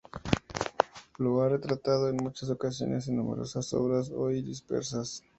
Lo ha retratado en muchas ocasiones en numerosas obras hoy dispersas.